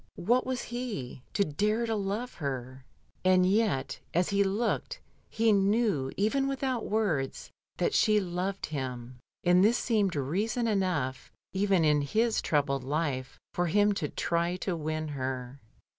What was he, to dare to love her? And yet, as he looked, he knew, even without words, that she loved him, and this seemed reason enough, even in his troubled life, for him to try to win her.